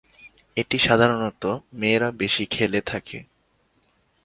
এটি সাধারনত মেয়েরা বেশি খেলে থাকে।